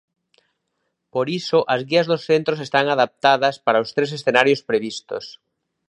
Por iso as guías do centros están adaptadas para os tres escenarios previstos.